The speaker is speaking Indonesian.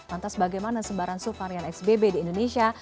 lantas bagaimana sembaran subvarian xbb di indonesia